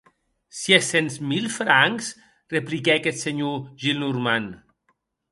Sies cent mil francs!, repliquèc eth senhor Gillenormand.